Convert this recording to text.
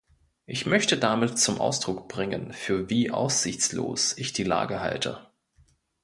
Ich möchte damit zum Ausdruck bringen, für wie aussichtslos ich die Lage halte.